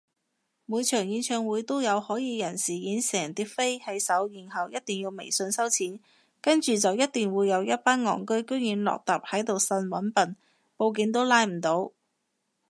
每場演唱會都有可疑人士影成疊飛喺手然後一定要微信收錢，跟住就一定會有一班戇居居落疊喺度呻搵笨，報警都拉唔到